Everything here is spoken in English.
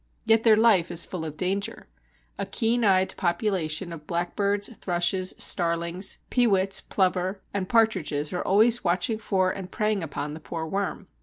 Yet their life is full of danger. A keen eyed population of blackbirds, thrushes, starlings, peewits (plover), and partridges are always watching for and preying upon the poor worm.